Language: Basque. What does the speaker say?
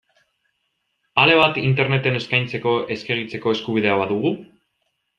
Ale bat Interneten eskaintzeko, eskegitzeko, eskubidea badugu?